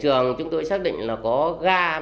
trường chúng tôi xác định là có gas